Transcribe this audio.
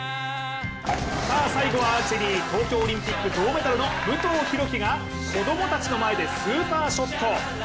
最後はアーチェリー、東京オリンピック銅メダルの武藤弘樹が子供たちの前でスーパーショット。